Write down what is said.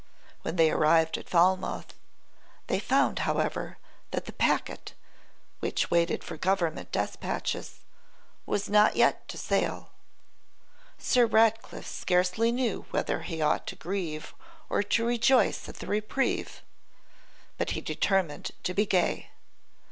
When they arrived at Falmouth, they found, however, that the packet, which waited for government despatches, was not yet to sail. Sir Ratcliffe scarcely knew whether he ought to grieve or to rejoice at the reprieve; but he determined to be gay.